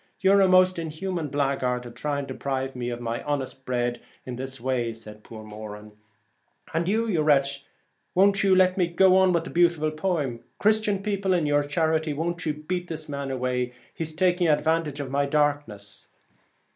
You're a most inhuman blaguard to try to deprive me of my honest bread this way,' replied poor Moran. ' And you, you wretch, won't let me go on with the beautiful poem. Christian people, in your charity won't you beat this man away ? he's taking advantage of my darkness.'